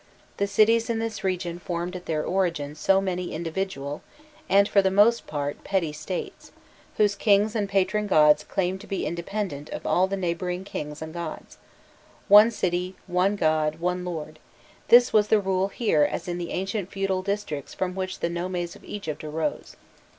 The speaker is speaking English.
The cities in this region formed at their origin so many individual and, for the most part, petty states, whose kings and patron gods claimed to be independent of all the neighbouring kings and gods: one city, one god, one lord this was the rule here as in the ancient feudal districts from which the nomes of Egypt arose.